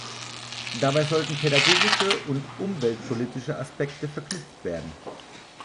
Dabei sollen pädagogische und umweltpolitische Aspekte verknüpft werden.